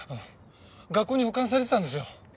学校に保管されてたんですよ。